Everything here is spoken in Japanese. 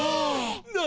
何？